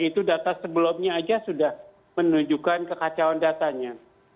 itu data sebelumnya saja sudah menunjukkan kekacauan datanya